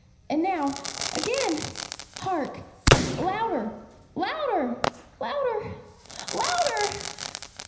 and now again! hark! louder! louder! louder! louder!